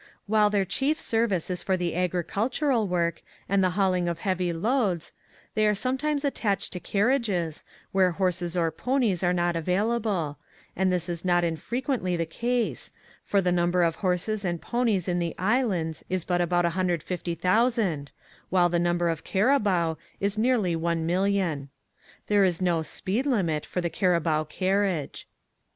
While their chief service is for agri cultural work and the hauling of heavy loads, they are sometimes attached to ‚ñÝcarriages, where horses or ponies are not available, and this is not infrequently the case, for the number of horses and ponies in the islands is but about 150,000, while the number of carabao is nearly one million. There is no "speed limit" for the carabao carriage.